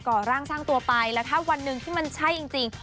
่อร่างสร้างตัวไปแล้วถ้าวันหนึ่งที่มันใช่จริง